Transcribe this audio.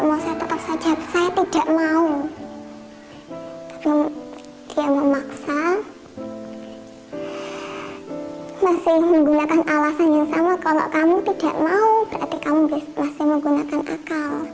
masih menggunakan alasan yang sama kalau kamu tidak mau berarti kamu masih menggunakan akal